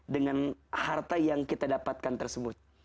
dengan harta yang kita dapatkan tersebut